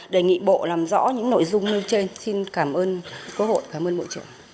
đề nghị bộ làm rõ những nội dung như trên xin cảm ơn quốc hội cảm ơn bộ trưởng